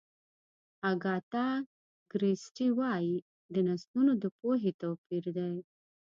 اګاتا کریسټي وایي د نسلونو د پوهې توپیر دی.